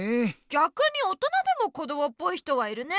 ぎゃくに大人でもこどもっぽい人はいるね。